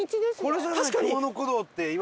これじゃない？